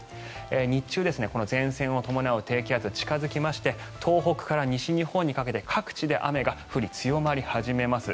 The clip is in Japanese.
日中、前線を伴う低気圧が近付きまして東北から西日本にかけて各地で雨が降り、強まり始めます。